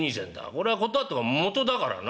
これは断っとくが元だからな？